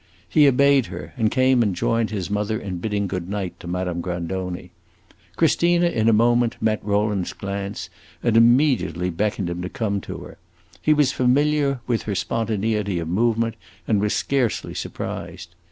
He obeyed her, and came and joined his mother in bidding good night to Madame Grandoni. Christina, in a moment, met Rowland's glance, and immediately beckoned him to come to her. He was familiar with her spontaneity of movement, and was scarcely surprised.